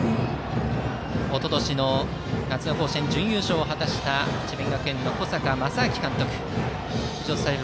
おととしの夏の甲子園準優勝を果たした智弁学園の小坂将商監督。